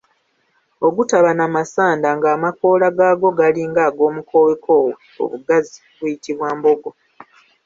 Ogutaba na masanda ng'amakoola gaagwo galinga ag'omukookoowe obugazi guyitibwa mbogo.